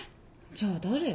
じゃあ誰？